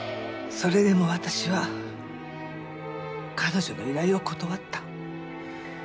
それでも私は彼女の依頼を断った。